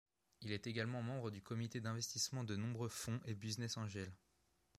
Il est également membre du comité d’investissement de nombreux fonds et Business Angel.